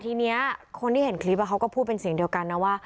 ทีนี้คนที่เห็นคลิปเขาก็พูดเป็นเสียงเดียวกันนะว่า